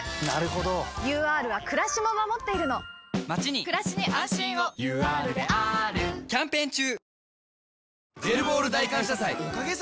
ＵＲはくらしも守っているのまちにくらしに安心をＵＲであーるキャンペーン中！